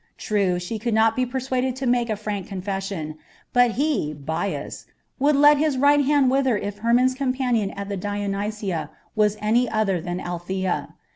True, she could not be persuaded to make a frank confession, but he, Bias, would let his right hand wither if Hermon's companion at the Dionysia was any other than Althea.